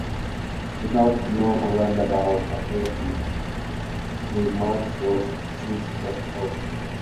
Without long, roundabout, addresses, the match was soon struck up.